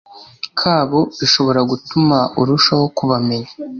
Kabo bishobora gutuma urushaho kubamenya